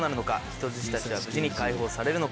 人質たちが無事に解放されるのか？